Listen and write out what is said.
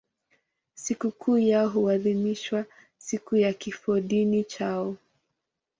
Sikukuu yao huadhimishwa siku ya kifodini chao.